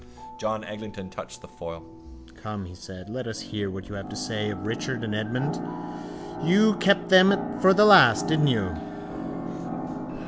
John Eglinton touched the foil. —Come, he said. Let us hear what you have to say of Richard and Edmund. You kept them for the last, didn't you?